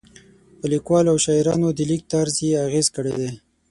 په لیکوالو او شاعرانو د لیک طرز یې اغېز کړی دی.